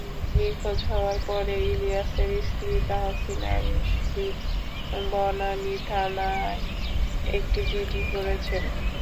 নিখোঁজ হওয়ার পরে ইলিয়াসের স্ত্রী তাহসিনা রুশদীর বনানী থানায় একটি জিডি করেছেন।